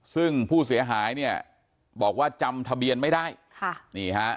ซึ่งผู้เสียหายเนี่ยบอกว่าจำทะเบียนไม่ได้ค่ะนี่ฮะ